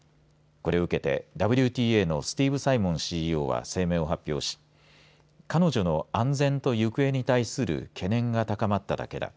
これを受けてＷＴＡのスティーブ・サイモンＣＥＯは声明を発表し彼女の安全と行方に対する懸念が高まっただけだ。